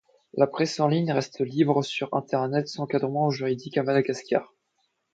La presse en ligne reste libre sur internet sans encadrement juridique à Madagascar.